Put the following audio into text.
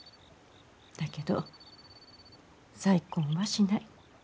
だけど再婚はしない。